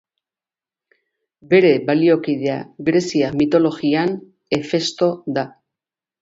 Bere baliokidea greziar mitologian, Hefesto da.